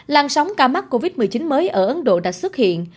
lan sóng ca mắc covid một mươi chín mới ở ấn độ đã xuất hiện